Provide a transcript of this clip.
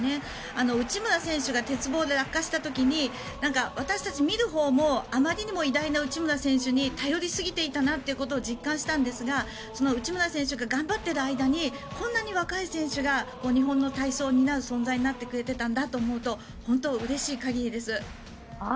内村選手が鉄棒で落下した時に私たち、見るほうもあまりにも偉大な内村選手に頼りすぎていたなってことを実感したんですがその内村選手が頑張っている間にこんなに若い選手が日本の体操を担う存在になってくれていたんだと思うと本当うれしい限りです。